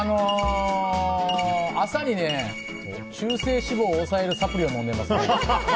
朝に中性脂肪を抑えるサプリを飲んでますね。